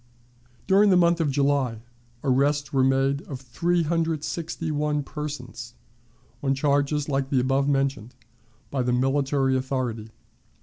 During the month of July arrests were made of 361 persons, on charges like the above mentioned, by the military authority.